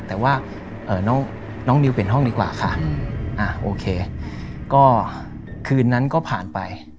แต่ว่าน้องนิวเปลี่ยนห้องดีกว่าค่ะโอเคก็คืนนั้นก็ผ่านไป